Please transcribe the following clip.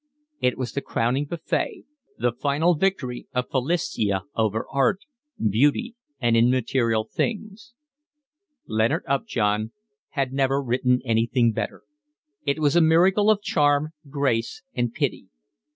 It was the crowning buffet, the final victory of Philistia over art, beauty, and immaterial things. Leonard Upjohn had never written anything better. It was a miracle of charm, grace, and pity.